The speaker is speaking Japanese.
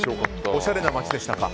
おしゃれな街でしたか？